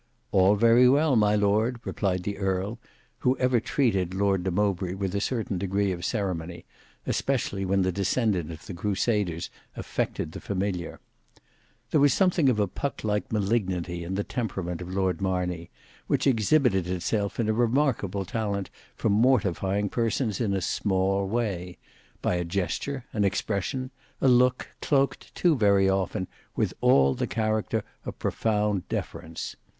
"All very well, my lord," replied the earl, who ever treated Lord de Mowbray with a certain degree of ceremony, especially when the descendant of the crusaders affected the familiar. There was something of a Puck like malignity in the temperament of Lord Marney, which exhibited itself in a remarkable talent for mortifying persons in a small way; by a gesture, an expression, a look, cloaked too very often with all the character of profound deference.